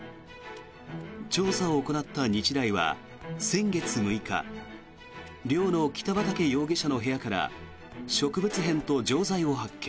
調査を行った日大は先月６日寮の北畠容疑者の部屋から植物片と錠剤を発見。